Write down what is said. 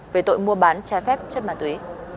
về tội mua bán trái phép chất ma túy